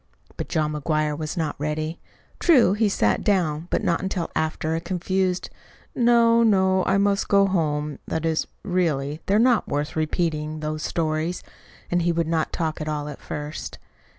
But John McGuire was not ready. True, he sat down but not until after a confused "No, no, I must go home that is, really, they're not worth repeating those stories." And he would not talk at all at first.